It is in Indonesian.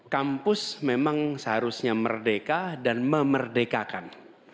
kampus memang seharusnya merdeka dan memerdekakan